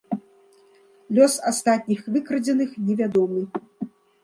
Лёс астатніх выкрадзеных невядомы.